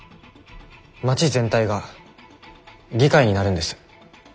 街全体が議会になるんです。